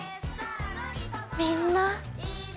みんな。